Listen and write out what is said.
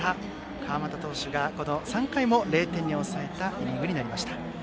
川又投手が３回も０点に抑えたイニングになりました。